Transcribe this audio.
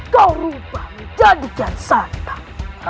kau berubah menjadi kian santak